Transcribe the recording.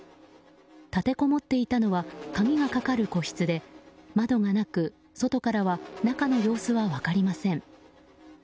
立てこもっていたのは鍵がかかる個室で窓がなく外からは中の様子は分かりません。